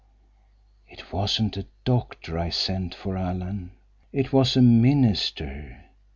"It wasn't a doctor I sent for, Alan. It was a minister.